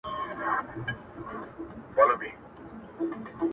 چي په تش ګومان مي خلک کړولي-